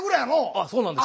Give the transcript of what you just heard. あそうなんです。